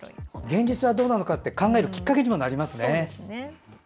現実はどうなのかって考えるきっかけにもなりますよね。